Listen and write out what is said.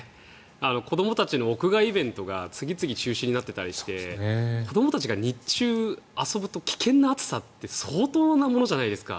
子どもたちの屋外イベントが次々中止になっていたりして子どもたちが日中遊ぶと危険な暑さって相当なものじゃないですか。